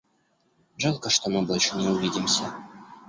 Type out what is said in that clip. Жалко, что мы больше не увидимся.